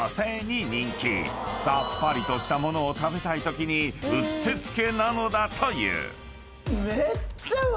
［さっぱりとした物を食べたいときにうってつけなのだという］